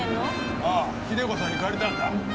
ああ秀子さんに借りたんだ。